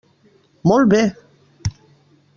Molt bé!